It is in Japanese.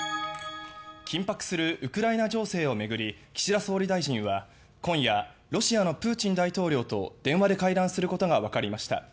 緊迫するウクライナ情勢を巡り岸田総理大臣は今夜ロシアのプーチン大統領と電話で会談することが分かりました。